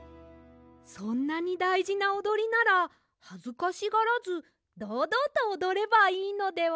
そんなにだいじなおどりならはずかしがらずどうどうとおどればいいのでは？